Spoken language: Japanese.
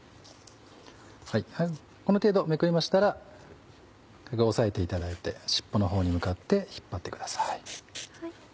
この程度めくりましたら軽く押さえていただいて尻尾のほうに向かって引っ張ってください。